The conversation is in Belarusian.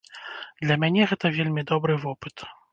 Для мяне гэта вельмі добры вопыт.